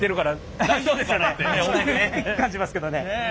低く感じますけどね。